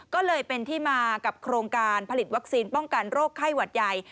ก็เลยเป็นที่มากับโครงการผลิตวัคซีนป้องกันโรคไข้หวัดใหญ่